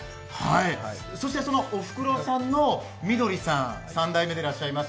そして、そのおふくろさんのみどりさん、３代目でらっしゃいます。